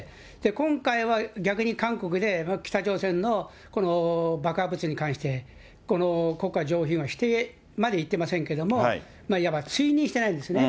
今回は逆に韓国で、北朝鮮のこの爆破物に関して、国家情報院は否定までいってませんけれども、いわば追認してないんですね。